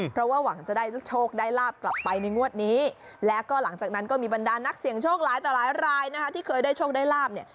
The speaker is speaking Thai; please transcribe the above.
เพราะว่าหวังจะได้โชคได้ลาบกลับไปในงวดนี้แล้วก็หลังจากนั้นก็มีบรรดานักเสี่ยงโชคหลายต่อหลายรายนะคะที่เคยได้โชคได้ลาบเนี่ย